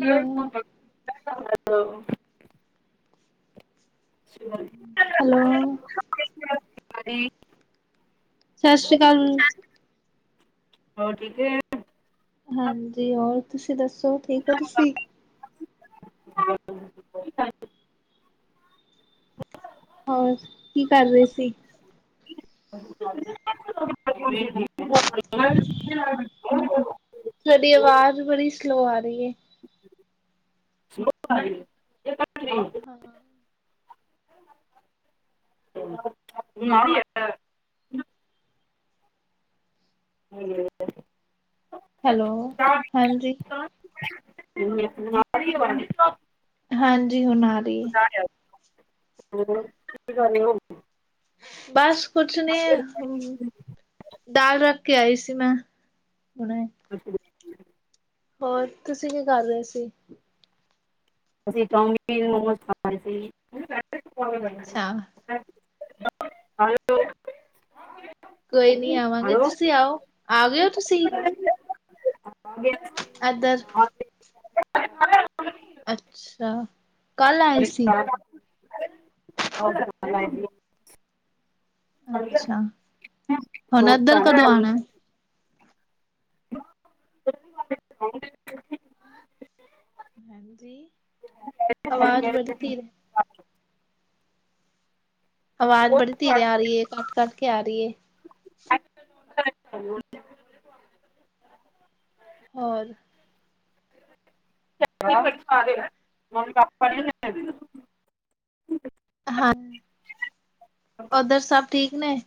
Hello, [unintelligible] hello. ਸਤਿ ਸ੍ਰੀ ਅਕਾਲ। ਹੋ ਠੀਕ ਏ। ਹਾਂਜੀ ਹੋਰ ਤੁਸੀਂ ਦੱਸੋ ਠੀਕ ਹੋ ਤੁਸੀਂ ਹੋਰ ਕੀ ਕਰ ਰਹੇ ਸੀ। [inaudible] [inaudible] ਤੁਹਾਡੀਆਵਾਜ਼ ਬੜੀ ਸਲੋ ਆ ਰਹੀ ਹੈ। ਹਾਂ। [unintelligible] ਹੈਲੋ ਹਾਂਜੀ। [unintelligible] ਹਾਂਜੀ ਹੁਣ। ਰਹੀ ਹੈ। ਬਾਇਆ [unintelligible] ਬਸ। ਕੁਛ ਨਹੀਂ ਦਾਲ ਰੱਖ ਕੇ ਆਈ ਸੀ ਮੈਂ ਹੁਣੇ ਅੱਛਾ ਹੋਰ ਤੁਸੀਂ ਕੀ ਕਰ ਰਹੇ ਸੀ। ਅਸੀਂ ਚਾਮੀਨ ਮੋਮੋਸ ਖਾਣੇ ਸੀ। ਅੱਛਾ [unintelligible] ਹੈਲੋ। ਕੋਈ ਨੀ ਆਵਾਂਗੇ ਤੁਸੀਂ ਆਓ ਆ ਗਏ ਹੋ ਤੁਸੀਂ ਹਾਂਗੇ। ਇੱਧਰ? [unintelligible] ਅੱਛਾ। ਕੱਲ੍ਹ ਆਏ ਸੀ। [unintelligible] ਅੱਛਾ। ਹੁਣ ਇਏਧਰ ਕਦੋਂ ਆਉਣਾ। [unintelligible] ਹਾਂਜੀ ਅਵਾਜ਼ ਬੜੀ ਧੀਰ ਹੈ। ਆਵਾਜ਼ ਬੜੀ ਧੀਰੇ ਆ ਰਹੀ ਹੈ ਕੱਟ ਕੱਟ ਕੇ ਆ ਰਹੀ [unintelligible] ਹੋਰ। [unintelligible] ਹਾਂ। ਉਧਰ ਸਭ ਠੀਕ। ਣੇ।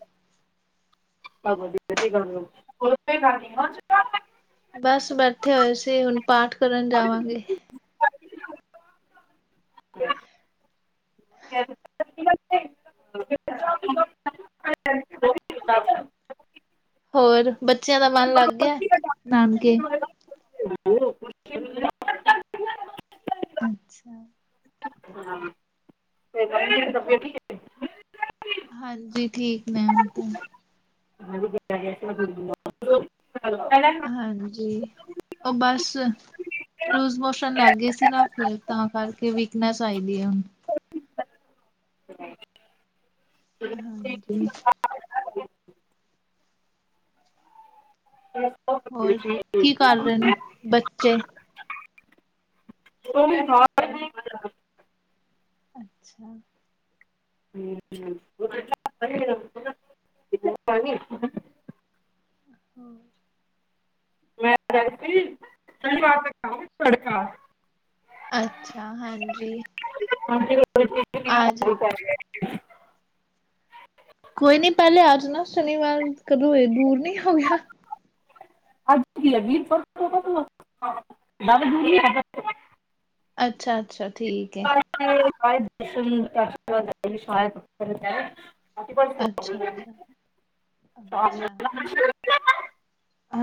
[unintelligible] ਬਸ ਬੈਠੇ ਹੋਏ ਸੀ ਹੁਣ। ਪਾਠ ਕਰਨ ਜਾਵਾਂਗੇ। [unintelligible] ਹੋਰ। ਬੱਚਿਆਂ ਦਾ ਮਨ ਮੈਂ ਅਲੱਗ ਹੈ ਨਾਨਕੇ [unintelligible] [unintelligible] [unintelligible] ਹਾਂਜੀ ਠੀਕ ਮੈਮ ਤਾਂ ਹਾਂਜੀ ਉਹ ਬਸ ਲੂਜ਼ ਮੋਸ਼ਨ ਲੱਗ ਗਈ ਸੀ ਨਾ ਫਿਰ ਤਾਂ ਕਰਕੇ ਵੀਕਨੈਸ ਆਈ ਦੀ ਹੈ ਹੁਣ ਹਾਂਜੀ। ਹਮ। ਹੋਰ ਕੀ ਕਰ ਰਹੇ ਨੇ ਬੱਚੇ? [unintelligible] ਅੱਛਾ। [unintelligible] [unintelligible] [unintelligible] ਅੱਛਾ ਹਾਂਜੀ। [unintelligible] [unintelligible] [unintelligible] ਸ਼ਨੀਵਾਰ ਕਦੋਂ ਇਹਏ ਦੂਰ ਨਹੀਂ ਹੋ ਗਿਆ। ਅੱਜ ਕੀ ਵੀਰ [unintelligible] ਅੱਛਾ ਅੱਛਾ। ਠੀਕ ਹੈ। [unintelligible] ਅੱਛਾ ਅੱਛਾ ਅੱਛਾ।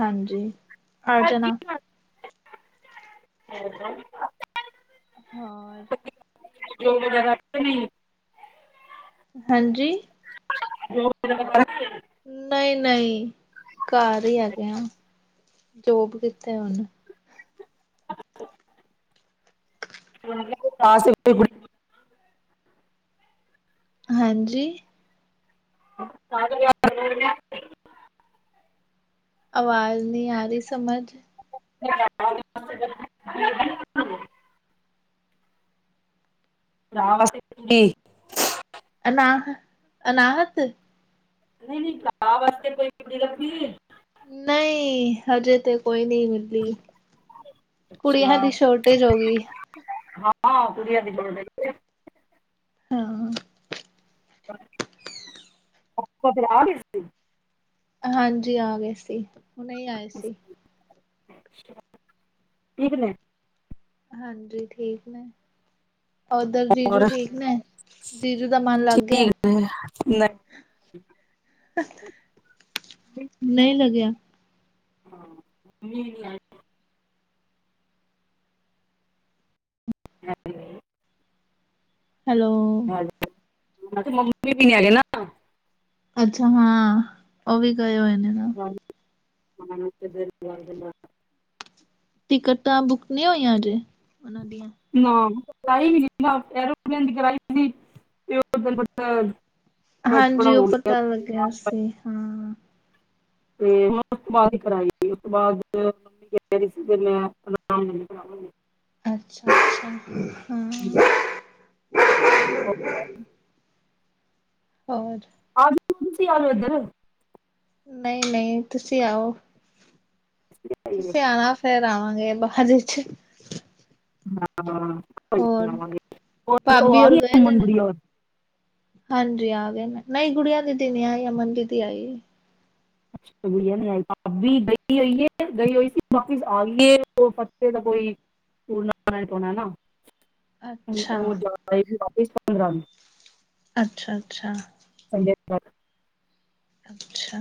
ਹਾਂਜੀ। ਹਰਜੀਤ ਮਾਸੀ [unintelligible] ਹਾ। ਜੋ ਵਗੈਰਾ ਤੇ ਨਹੀਂ, ਹਾਂਜੀ। ਜੋਬ ਵਗੈਰਾ ਨਹੀਂ ਨਹੀਂ। ਨਹੀਂ ਘਰ ਹੀ ਹੈਗੇ, ਆ ਜੋਬ ਕਿਥੇ ਹੁਨ ਅੱਛਾ। [unintelligible] ਹਾਂਜੀ, [unintelligible] ਆਵਾਜ਼ ਨਹੀਂ ਆ ਰਹੀ ਸਮਝ [unintelligible] [unintelligible] ਅਨਾਹ ਅਨਾਹਤ, ਨਹੀਂ-ਨਹੀਂ ਗਾ ਵਾਸਤੇ ਕੋਈ ਕਿਡੀ ਲੰਬੀ ਐ। ਨਹੀਂ ਹਜੇ ਤੇ ਕੋਈ ਨਹੀਂ ਮਿਲੀ ਕੁੜੀਆਂ ਦੀ ਸ਼ੋਰਟੇਜ ਹੋ ਗਈ। ਹਾਂ ਕੁੜੀਆਂ ਦੀ ਸ਼ਾਟੇਜ ਹਾਂ। [unintelligible] ਹਾਂਜੀ ਆ ਗਏ ਸੀ। ਉਨੇ ਆਏ ਸੀ। ਠੀਕ ਨੇ, ਹਾਂਜੀ ਠੀਕ ਨੇ। ਉਧਰ ਜੀਜੂ ਠੀਕ ਨੇ ਜੀਜੂ ਦਾ ਮਨ ਲਗ ਗਿਆ। ਨਹੀਂ ਲੱਗਿਆ। ਹਾਂ। ਹੈਲੋ, ਮੈਂ ਕਿਹਾ ਮੰਮੀ ਵੀ ਹੈਗੇ ਨਾ। ਅੱਛਾ ਹਾਂ ਉਹ ਵੀ ਗਏ ਹੋਏ ਨੇ ਨਾ। [unintelligible] ਟਿਕਟ ਤਾਂ ਬੁੱਕ ਨਹੀਂ ਹੋਈ ਆ ਅਜੇ। ਉਹਨਾਂ ਦੀਆਂ। ਨਾ। ਵੀ ਸੀ। [unintelligible] ਬਸ ਥੋੜਾ ਹਾਂਜੀ ਉਹ ਹੋ ਗਿਆ ਪਤਾ ਲੱਗਿਆ ਆਰਾਮ ਪਏ ਸੀ ਹਾਂ। ਤੇ ਹ ਉਸ ਤੋਂ ਬਾਅਦ ਹੀ ਕਰ ਉਸ ਤੋਂ ਬਾਅਦ ਮੰ ਰਹੀ ਸੀ ਮੈਂ [unintelligible] ਅੱਛਾ ਅੱਛਾ। ਹਮ। [inaudible] ਹੋਰ। ਆਜਸੀ ਆ ਜਾੋ ਇੱਧਰ [unintelligible] ਨਹੀਂ ਨਹੀਂ ਤੁਸੀਂ ਆਓ। ਤੁਸੀਂ ਆਣਾ ਫੇਰ ਕਰਾਵਾਂਗੇ ਬਾਾਹ ਦੇ ਚ। [unintelligible] ਹਾਂ। ਵਾਂਗੇ ਉਹ ਭਾਬੀ ਆ ਹੋਰ ਗਏ ਦੇ ਨੇ। ਗਮਨੁਰੀਰ [unintelligible] ਹਾਂਜੀ ਆ ਗਏ ਨਹੀਂ ਗੁੜੀਆਂ ਦੀਦੀ ਨਹੀ ਆਈ ਅਮਨ ਦੀਦੀ ਆਈ। ਗਈ ਹੋਈਏ ਗਈ ਹੋਈ ਸੀ ਵਾਪ ਆਏ ਫ ਦਾ ਕੋਈੂਰਨਾ ਪਾਉਣਾ ਨਾ। [unintelligible] [unintelligible] ਅੱਛਾ ਉਹ ਜ਼ਦਾ ਹੀ ਸੀ। ਇਸਾਨ ਰਾਮ। [unintelligible] ਅੱਛਾ ਅੱਛਾ। ਬਰ। [unintelligible] ਅੱਛਾ।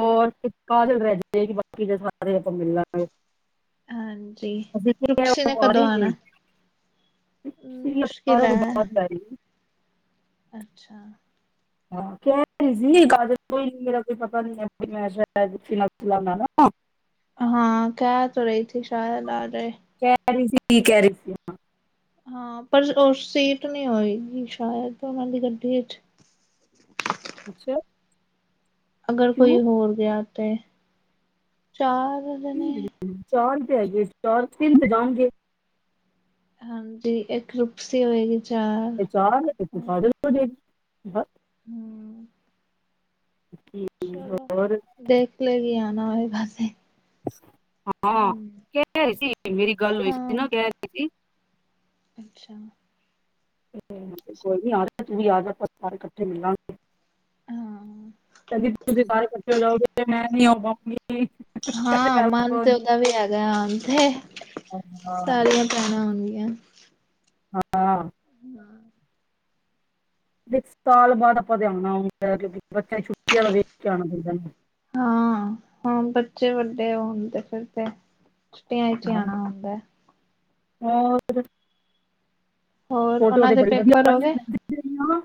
ਹੋਰ ਇੱਕ ਕਾਹ ਦਿਲ ਰ [unintelligible] ਕਿ ਬਾਕੀ ਦੇ ਸਾਰੇ ਆਪਾਂ ਮਿਲਾਂਗੇ। [unintelligible] ਹਾਂਜੀ ਅ ਰੁਪਸੀ ਨੇ ਕਦੋਂ ਆਾਰੀ ਆਣਾ ਮੁਸ਼ਕਿਲ ਅਾਰਾਂ ਤੋਂ ਹੈ ਬਾਅਦ [unintelligible] ਅੱਛਾ। ਹਾਂ ਕ। [unintelligible] ਕੋਈ ਨੀ ਮੇਰਾ। [unintelligible] ਨ ਮੈ। [unintelligible] ਹਾਂ ਕਹਿ ਤੋ ਰਹੀ ਥੀ ਸ਼ਾਇਦ ਆਜ ਤੇ। ਕਹਿ ਰਹੀ ਸੀ ਕੀ ਕਹਿ ਰਹੀ ਸੀ। [unintelligible] ਹਾਂ ਪਰ ਉਹ ਸੀਟ ਨਹੀਂ ਹੋਏਗੀ ਸ਼ਾਇਦ ਉਹਨਾਂ ਦੀ ਗੱਡੀ ਚ। ਅੱਛਾ। ਅਗਰ ਕੋਈ ਕਿਉਂ ਹੋਰ ਗਿਆ। ਤੇ ਚਾਰ। ਜਨੇ। ਚਾਰ ਹੈਗੇ ਸਟੋ ਤਨ ਜਾਉਣਗੇ। [unintelligible] ਹਾਂਜੀ ਇੱਕ ਰੁਪਸੀ ਹੋਏਗੀ। ਚਾਰ ਇਹ ਚਾਰ ਪੰਜ ਫਲ [unintelligible] [unintelligible] [unintelligible] ਠੀਕ, ਚਲੋ ਹੋਰ ਦੇਖ ਲੇਨੀ ਆ [unintelligible] ਹਾਂ ਕਿ ਸੀ। ਮੇਰੀ ਗੱਲ ਹੋਈ ਸੀ ਹਾਂ ਨਾ ਕਹਿ ਰਹੇ ਸੀ। ਅੱਛਾ, [unintelligible] ਹਾਂ [unintelligible] [unintelligible] ਹਾਂ ਗੱਲ ਮਨ ਤੇ ਹੋਣੀ ਉਹਦਾ ਵੀ ਹੈਗਾ ਆ ਤੇ ਹਾਂ ਸਾਰੀਆਂ ਪੈਣਾਂ ਆਣਗੀਆਂ। [unintelligible] ਹਾਂ, ਸਾਲ ਬਾਅਦ ਆਪਾਂ ਤੇ ਆਣਾ ਹੁੰਦਾ ਕਿਉਂਕਿ ਬੱਚਿਆ ਦੀ ਛੁੱ ਦਾ ਵੇਖ ਕੇ ਆਣਾ ਪੈਂਦਾ। ਉਹਣ ਤੇ ਫਿਰ ਤੇ, ਛੁੱਟੀਆਂ ਚ ਆਣਾ ਹੁੰਦਾ। ਹੌਰ, ਹੋਰ ਫੋਟੋਆਂ ਉਹਨਾਂ ਤੇ ਦੇ ਬੜੀ ਪੇਪਰ ਵਧੀਆ ਹੋ ਗਏ। [unintelligible]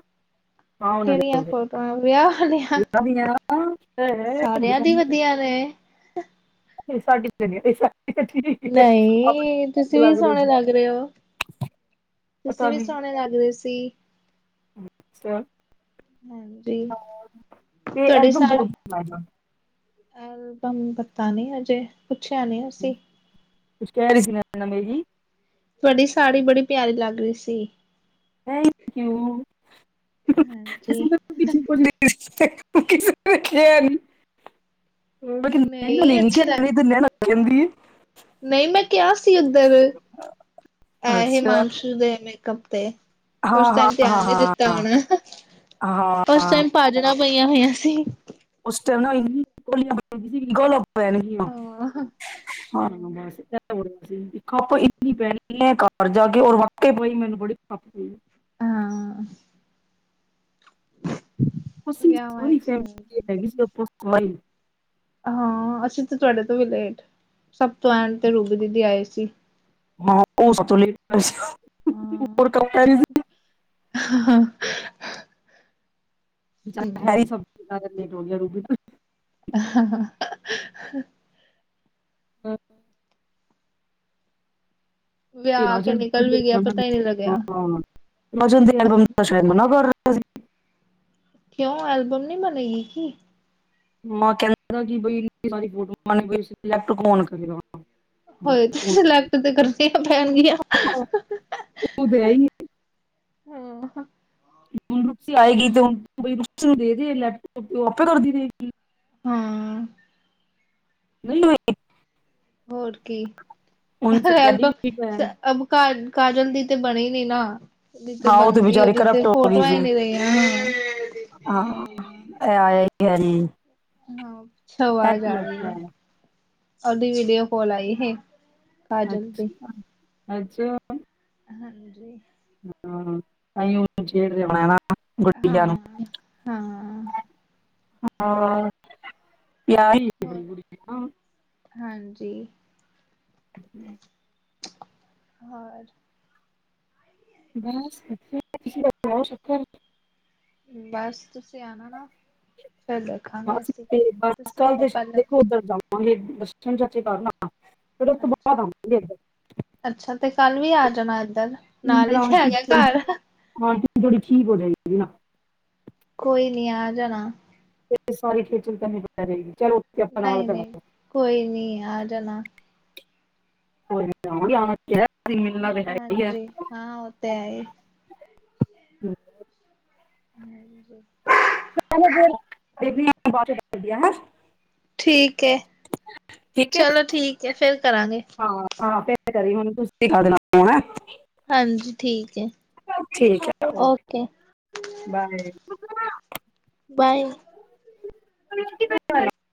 ਹਾਂ ਉਹਨਾਂ ਦੇ ਹੋ ਕਿਹੜੀਆਂ ਗਏ ਫੋਟੋਆਂ ਵਿਆਹ ਵਾਲੀਆਂ ਦੀਆਂ ਸਾਰਿਆਂ ਦੀ ਵਧੀਆ ਨੇ, [unintelligible] ਠੀਕ ਹੈ ਨਹੀਂ ਆਪਣੀ ਤੁਸੀਂ ਵੀ ਰਿਹਾ ਸੋਹਣੇ ਜੀ ਲੱਗ ਰਹੇ ਹੋ ਤੁਸੀਂ ਪਤਾ ਵੀ ਨਹੀਂ ਸੋਹਣੇ ਲੱਗ ਰੇ ਸੀ, ਸਰ ਹਾਂਜੀ ਤੇ ਤੁਹਾਡੇ ਸ ਐਲਬਮ ਕਦੋਂ ਬਣਾਇਆ ਐਲਬਮ ਪਤਾ ਨੀ ਹਜੇ। ਪੁੱਛਿਆ ਨੀ ਅਸੀਂ। ਕੁਛ ਕਹਿ ਰਹੀ ਸੀ। [unintelligible] ਤੁਹਾਡੀ ਸਾੜੀ ਬੜੀ ਪਿਆਰੀ ਲੱਗ ਰਹੀ ਸੀ। ਥੈਂਕ ਯੂ [unintelligible] [unintelligible] ਹਾਂਜੀ। ਨਹੀਂ ਅੱਛੀ ਲੱਗ [unintelligible] ਕਹਿੰਦੀ, ਨਹੀਂ ਮੈਂ ਕਿਹਾ ਸੀ ਉੱਧਰ ਐ ਅੱਛਾ ਹਮਾਨਸ਼ੂ ਦੇ ਮੇ [unintelligible] ਉਸ ਹਾਂ ਹਾਂ ਟਾਈਮ ਧਿਆਨ ਨੀ ਹਾਂ ਦਿੱਤਾ ਹੋਣਾ ਹਾਂ ਉਸ ਹਾਂ ਟਾਈਮ ਭਾਜੜਾ ਪਈ ਹੋਈਆਂ ਸੀ। ਉਸ ਟਾਈਮ [unintelligible] ਪੈਣਗੀ ਆ ਹਾਂ। ਖੱਪ ਇੰਨੀ ਪੈ ਰਹੀ ਐ ਘਰ ਜਾ ਕੇ ਔਰ ਵਾਕ ਪਾਈ ਮੈਨੂੰ ਬੜੀ ਪਈ ਹੋਈ। ਹਾਂ। [unintelligible] ਅਸੀ ਸ ਵਿਆਵਾਂ ਵਿੱਚ ਫੇਰ ਤੇ ਹੋ ਜਾਂਦਾ। ਹੈਗੀ ਸੀ। ਹੋਈ। ਹਾਂ ਅਸੀਂ ਤੇ ਤੁਹਾਡੇ ਤੋਂ ਵੀ ਲੇਟ ਸਭ ਤੋਂ ਆਣ ਤੇ ਰੂਬੀ ਦੀਦੀ ਆਏ ਸੀ। ਉਹ ਹਾਂ [unintelligible] ਹੋਰ ਕਹਿ ਰਹੀ ਸੀ। ਹੈਰੀ ਹੂੰ ਸਬਜ਼ੀ। ਟੋਲੀਆਂ ਰੂਬੀ ਤਾਂ [unintelligible] ਆਹ। ਵਿਆਹ ਕੇ ਨਿਕਲ ਵੀ ਗਿਆ ਪਤਾ ਹੀ ਨਹੀਂ ਲੱਗਿਆ। [unintelligible] [unintelligible] ਕਿਉਂ ਐਲਬਮ ਨੀ ਬਣੇਗੀ ਕਿ ਮੈਂ ਕਹਿੰਦਾ ਸੀ ਵੀ ਲੈਪਟਾਪ ਔਨ ਕਰਲੋ। ਹੋਏ ਤੇ ਸਿਲੈਕਟ ਤੇ ਕਰਤੀਆ ਪੈਣਗੀਆਂ। ਉਹ ਦੇ ਹੀ ਹੂੰ, ਹੁਣ ਰੁਪੀ ਆਏਗੀ ਤੇ ਹੁਣ ਨੂੰ ਦੇ ਦੇ ਲੈਪਟੋਪ ਤੇ ਉਹ ਆਪੇ ਕਰਦੀ ਰਹੇਗੀ। ਹੂੰ। [unintelligible] ਹੋਰ ਕੀ ਹੁਣ ਸਾਡੀ ਵੀ ਭੈਣ ਐਲਬੰਬ ਕਾਜਲ ਦੀ ਤੇ ਬਣੇ ਨੇ ਨਾ। ਉਹਦੀ ਹਾਂ, ਉਹ ਤੇ ਬਣਦੀ ਬਚਾਰੀ ਉਹਦੀ ਤੇ ਕਰਪਟ ਹੋ ਗਈ ਫੋਟੋਆਂ ਸੀ ਹੀ ਨਹੀਂ ਰਹੀਆਂ ਹਾਂ ਐ। ਹੈਰੀ, ਹਾਂ ਸਛ ਵਾਜ ਆ ਰਹੀ ਐ। ਹੈ ਔਦੀ ਵੀਡੀਓ ਕਾਲ ਆਈ ਸੀ। ਅੱਛਾ-ਅੱਛਾ। ਹਾਂਜੀ। ਹੂੰ, ਕਈ [unintelligible] ਹਾਂ-ਹਾਂ। ਹਾਂ। ਜਾ ਹੀ। ਜੀ। ਹੂੰ, ਹੋਰ? ਤੁਸੀ [unintelligible] ਬਸ, ਤੁਸੀਂ ਆਉਣਾ ਨਾ ਫਿਰ ਦੇਖਾਂਗੇ ਬਸ ਅਸੀਂ ਤੇ ਬਸ ਤੁਸੀਂ ਕੱਲ ਆਓ ਦੇ ਪਹਿਲੇ ਦੇਖੋ ਉਧਰ ਜਾਵਾਂਗੇ ਦਰਸ਼ਨ ਚਾਚੇ ਕਰਨਾ ਅੱਛਾ, ਅੱਛਾ ਤੇ ਕੱਲ ਵੀ ਆ ਜਾਣਾ ਇੱਧਰ ਨਾਲ ਹੀ ਇੰਨਾ ਤੇ ਆ ਆਂਟੀ ਗਿਆ ਥੋੜੀ ਘਰ ਆਂਟੀ ਥੋੜੀ [unintelligible] ਕੋਈ ਨੀ ਆ ਜਾਣਾ ਸਾਰੀ ਖੇਚਲ ਤੈਂਨੂੰ ਪੈ ਜਾਏਗੀ ਚਲੋ ਉੱਥੇ ਆਪਾਂ ਨਾਲ ਨਹੀਂ ਨਹੀਂ ਕਰਾਂਗੇ ਕੋਈ ਨੀ ਆ ਜਾਣਾ ਕੋਈ ਨਹੀਂ ਆਵਾ ਗੇ [unintelligible] ਹਾਂਜੀ, ਹਾਂ ਉਹ ਤੇ ਹੈ ਹੀ ਹੁੰ [inaudible] ਬੇਬੀ ਮੈ ਬਾਅਦ ਚੋ ਗੱਲ ਕਰਨੀ ਆ ਹੇ ਠੀਕ ਹੈ ਹੈ ਚਲੋ ਠੀਕ ਹੈ ਫਿਰ ਕਰਾਂਗੇ ਹਾਂ ਹਾਂ ਫਿਰ ਕਰੀ ਹੁਣ ਤੁਸੀਂ ਸਿੱਖਾ ਦੇਣਾ ਮੈਨੂੰ ਨਾ ਹਾਂਜੀ ਠੀਕ ਹੈ ਠੀਕ ਹੈ ਓਕੇ ਬਾਏ [unintelligible] ਬਾਏ [unintelligible]